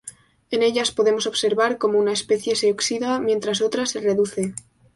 En ellas podemos observar como una especie se oxida mientras otra se reduce.